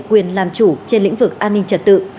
quyền làm chủ trên lĩnh vực an ninh trật tự